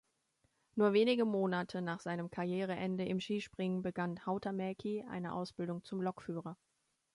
Nur wenige Monate nach seinem Karriereende im Skispringen begann Hautamäki eine Ausbildung zum Lokführer.